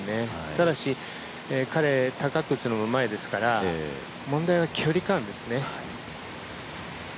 ただし彼、高く打つのがうまいですから問題は距離感ですね。